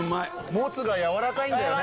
もつがやわらかいんだよね。